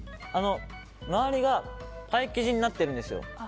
周りがパイ生地になってるんですよ。